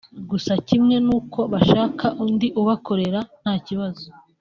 gusa kimwe n’uko bashaka undi ubakorera nta kibazo